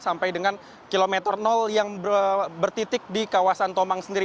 sampai dengan kilometer yang bertitik di kawasan tomang sendiri